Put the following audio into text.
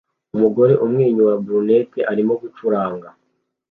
Umugore umwenyura brunette arimo gucuranga